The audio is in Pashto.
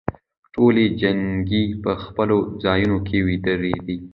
ټولې جینکې په خپلو ځايونوکې ودرېدي.